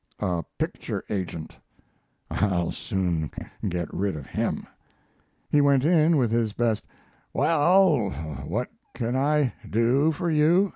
A picture agent. I'll soon get rid of him." He went in with his best, "Well, what can I do for you?"